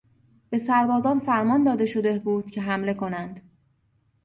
به سربازان فرمان داده شده بوده که حمله کنند.